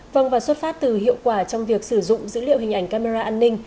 vâng và xuất phát từ hiệu quả trong việc sử dụng dữ liệu hình ảnh camera an ninh